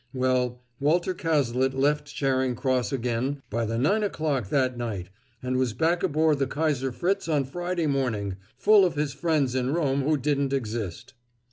Well, Walter Cazalet left Charing Cross again by the nine o'clock that night, and was back aboard the Kaiser Fritz on Friday morning full of his friends in Rome who didn't exist!"